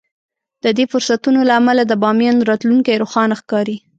د دې فرصتونو له امله د باميان راتلونکی روښانه ښکاري.